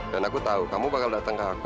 dan aku tahu kamu bakal datang ke aku